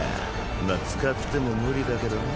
まっ使っても無理だけど。